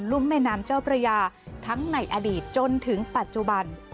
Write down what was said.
ุ่มแม่น้ำเจ้าพระยาทั้งในอดีตจนถึงปัจจุบัน